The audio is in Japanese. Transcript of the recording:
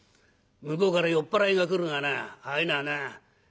向こうから酔っ払いが来るがなああいうのはな